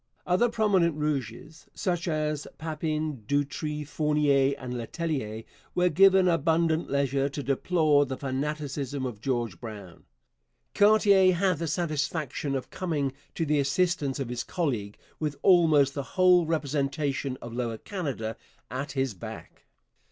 Other prominent Rouges such as Papin, Doutre, Fournier, and Letellier were given abundant leisure to deplore the fanaticism of George Brown. Cartier had the satisfaction of coming to the assistance of his colleague with almost the whole representation of Lower Canada at his back.